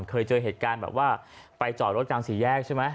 เคยเจอเหตุการณ์แบบว่าไปจอดรถกลางสี่แยกใช่ไหม